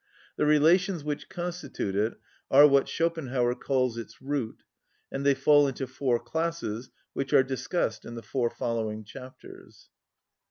The relations which constitute it are what Schopenhauer calls its root, and they fall into four classes, which are discussed in the four following chapters.